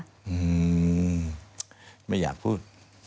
อืมไม่อยากพูด